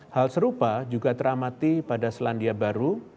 hal serupa juga teramati pada selandia baru